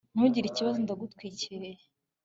ntugire ikibazo. ndagutwikiriye